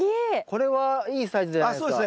これはいいサイズじゃないですか？